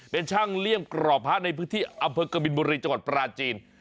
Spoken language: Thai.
เป็นช่างเลี่ยมกรอบพระในพื้นที่อำเภอกบินบุรีจังหวัดปราจีน